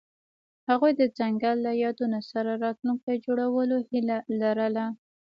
هغوی د ځنګل له یادونو سره راتلونکی جوړولو هیله لرله.